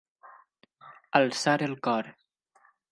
Alçar el cor.